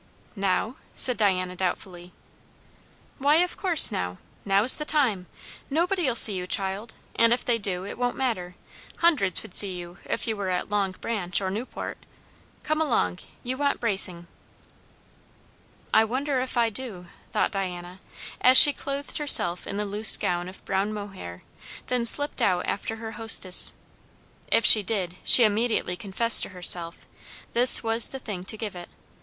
"Now?" said Diana doubtfully. "Why, of course now! Now's the time. Nobody'll see you, child; and if they do, it won't matter. Hundreds would see you if you were at Long Branch or Newport. Come along; you want bracing." I wonder if I do, thought Diana, as she clothed herself in the loose gown of brown mohair; then slipped out after her hostess. If she did, she immediately confessed to herself, this was the thing to give it.